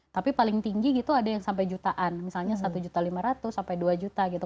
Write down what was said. tapi paling tinggi gitu ada yang sampai jutaan misalnya satu juta lima ratus sampai dua juta gitu